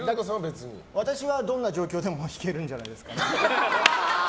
私はどんな状況でも弾けるんじゃないですかね。